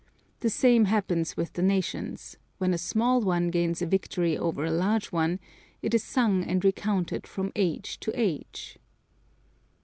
The same happens with the nations: when a small one gains a victory over a large one, it is sung and recounted from age to age.